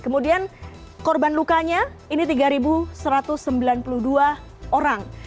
kemudian korban lukanya ini tiga satu ratus sembilan puluh dua orang